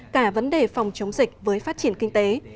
cả vấn đề phòng chống dịch với phát triển kinh tế